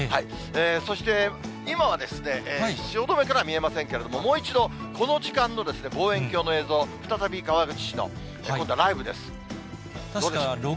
そして今は、汐留からは見えませんけれども、もう一度、この時間の望遠鏡の映像、再び川口市の、今度はライブです。